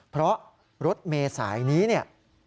เพราะรถเมษายนี้เนี่ย